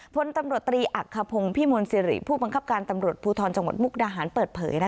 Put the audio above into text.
พลตำรวจตรีอักขพงศ์พิมลสิริผู้บังคับการตำรวจภูทรจังหวัดมุกดาหารเปิดเผย